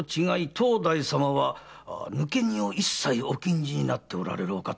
当代様は抜け荷を一切お禁じになっておられるお方。